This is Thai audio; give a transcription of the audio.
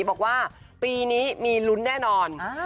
บอกว่าปีนี้มีลุ้นแน่นอน